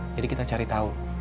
jadi kita cari tahu